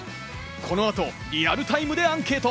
この後、リアルタイムでアンケート！